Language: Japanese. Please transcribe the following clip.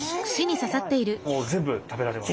もう全部食べられます。